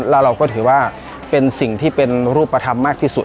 แล้วเราก็ถือว่าเป็นสิ่งที่เป็นรูปธรรมมากที่สุด